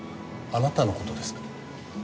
あなたの事ですか？